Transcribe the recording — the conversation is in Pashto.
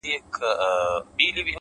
خاموشه هڅه لویې پایلې زېږوي